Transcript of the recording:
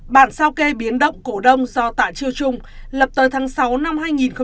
bản sao kê biến động cổ đông do tạ chiêu trung lập tới tháng sáu năm hai nghìn một mươi